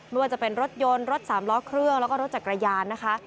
ไม่ว่าจะเป็นรถยนต์รถสามล้อเครื่องแล้วก็รถจักรยานนะคะ